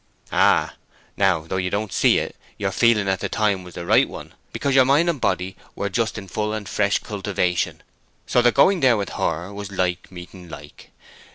"Ah! Now, though you don't see it, your feeling at the time was the right one, because your mind and body were just in full and fresh cultivation, so that going there with her was like meeting like.